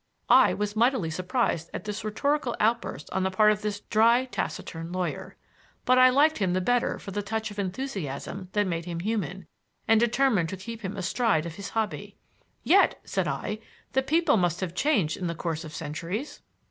I was mightily surprised at this rhetorical outburst on the part of this dry, taciturn lawyer. But I liked him the better for the touch of enthusiasm that made him human, and determined to keep him astride of his hobby. "Yet," said I, "the people must have changed in the course of centuries."